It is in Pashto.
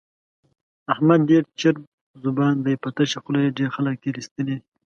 احمد ډېر چرب زبان دی، په تشه خوله یې ډېر خلک تېر ایستلي دي.